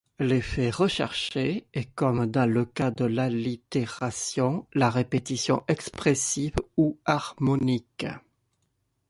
L'effet recherché est, comme dans le cas de l'allitération, la répétition expressive ou harmonique.